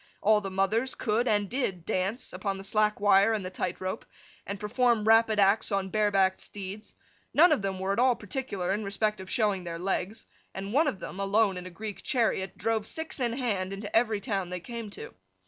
All the mothers could (and did) dance, upon the slack wire and the tight rope, and perform rapid acts on bare backed steeds; none of them were at all particular in respect of showing their legs; and one of them, alone in a Greek chariot, drove six in hand into every town they came to.